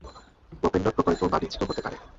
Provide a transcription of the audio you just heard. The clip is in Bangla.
ওপেনডক প্রকল্প বাণিজ্যিকও হতে পারে।